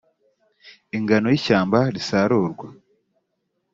ingano y ishyamba risarurwa